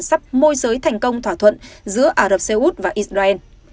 sắp môi giới thành công thỏa thuận giữa ả rập xê út và israel